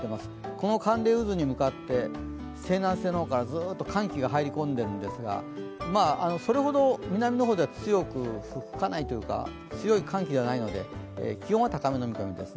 この寒冷渦に向かって、西南西の方から寒気が入り込んでいるんですが、それほど南の方では強い寒気ではないので気温は高めの見込みです。